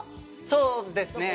そうですね。